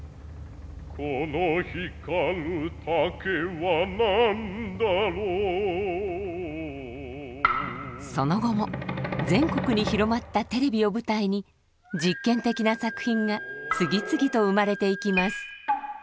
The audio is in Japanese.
「この光る竹は何だろう」その後も全国に広まったテレビを舞台に実験的な作品が次々と生まれていきます。